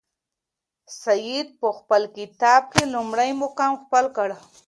سعید په خپل مکتب کې لومړی مقام خپل کړ.